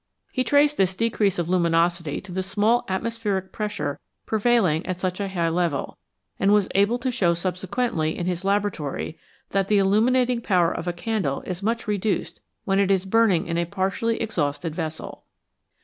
He traced this decrease of luminosity to the small atmospheric pressure prevailing at such a high level, and was able to show subsequently in his laboratory that the illuminating power of a candle is much reduced when it is burning in a partially exhausted vessel.